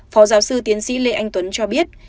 phó giáo sư tiến sĩ lê anh tuấn cho biết